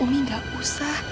umi gak usah